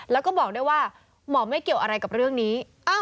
แล้วก็บอกได้ว่าหมอไม่เกี่ยวอะไรกับเรื่องนี้